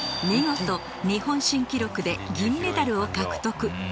見事、日本新記録で銀メダルを獲得！